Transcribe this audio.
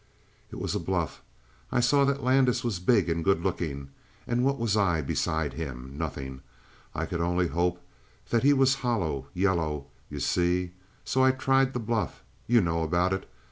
"It was bluff. I saw that Landis was big and good looking. And what was I beside him? Nothing. I could only hope that he was hollow; yellow you see? So I tried the bluff. You know about it.